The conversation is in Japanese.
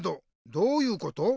「どういうこと？」。